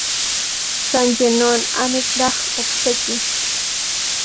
San ye non, amitlaj okse-ki.